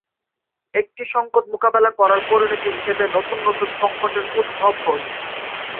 একটি সংকট মোকাবিলা করার পরিণতি হিসেবে নতুন নতুন সংকটের উদ্ভব হয়।